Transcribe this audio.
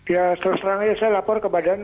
ya terus terangnya saya lapor ke badan